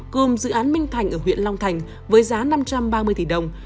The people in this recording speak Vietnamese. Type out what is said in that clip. gồm dự án minh thành ở huyện long thành với giá năm trăm ba mươi tỷ đồng